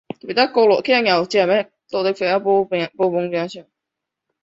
能人被认为是掌握了奥杜韦文化时期利用薄岩片和石芯的制造工艺。